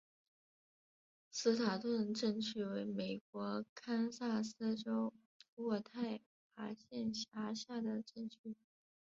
斯坦顿镇区为美国堪萨斯州渥太华县辖下的镇区。